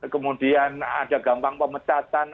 kemudian ada gampang pemecatan